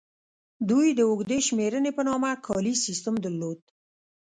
دوی د اوږدې شمېرنې په نامه کالیز سیستم درلود